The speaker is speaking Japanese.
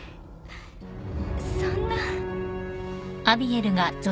そんな。